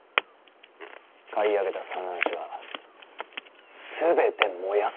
買い上げた蚕卵紙は全て燃やす。